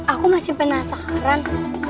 aku masih penasaran